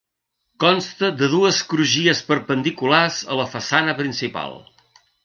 Consta de dues crugies perpendiculars a la façana principal.